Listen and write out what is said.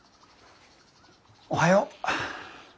おはよう。